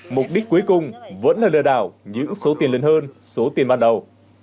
mục đích cuối cùng vẫn là lừa đảo những số tiền lớn hơn số tiền ban đầu